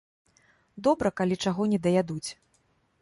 Добра, калі чаго не даядуць.